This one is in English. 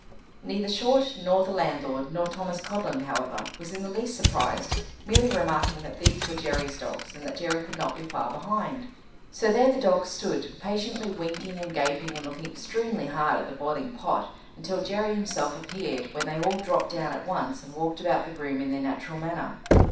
Neither Short nor the landlord nor Thomas Codlin, however, was in the least surprised, merely remarking that these were Jerry's dogs, and that Jerry could not be far behind. So there the dogs stood, patiently winking and gaping and looking extremely hard at the boiling pot, until Jerry himself appeared, when they all dropped down at once, and walked about the room in their natural manner.